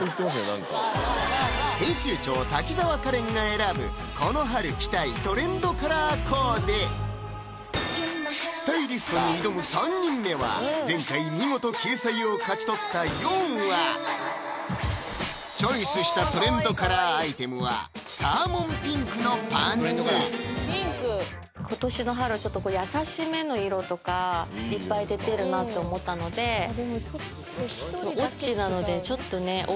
何か編集長・滝沢カレンが選ぶこの春着たいトレンドカラーコーデスタイリストに挑む３人目は見事チョイスしたトレンドカラーアイテムはサーモンピンクのパンツ今年の春ちょっと優しめの色とかいっぱい出てるなと思ったのでさあ